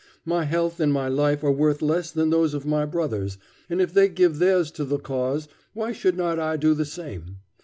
My health and my life are worth less than those of my brothers, and if they give theirs to the cause, why should not I do the same?